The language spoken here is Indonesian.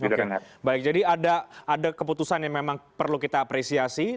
oke baik jadi ada keputusan yang memang perlu kita apresiasi